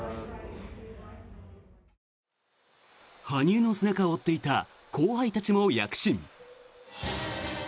羽生の背中を負っていた後輩たちも躍進。